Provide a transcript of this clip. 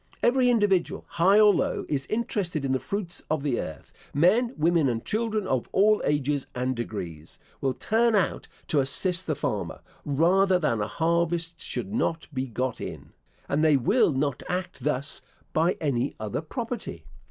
Every individual, high or low, is interested in the fruits of the earth; men, women, and children, of all ages and degrees, will turn out to assist the farmer, rather than a harvest should not be got in; and they will not act thus by any other property.